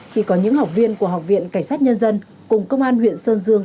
khi có những học viên của học viện cảnh sát nhân dân cùng công an huyện sơn dương